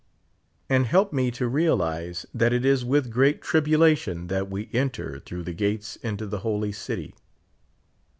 And help me to realize that it is with great tribulation that we enter through the gates into the holy city.